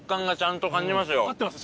合ってます？